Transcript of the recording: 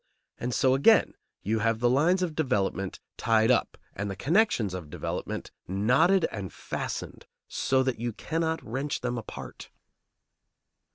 And so again you have the lines of development tied up and the connections of development knotted and fastened so that you cannot wrench them apart.